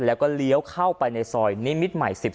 แล้วก็เลี้ยวเข้าไปในซอยนิมิตรใหม่๑๔